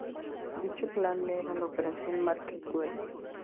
Dicho plan era la Operación Market Garden.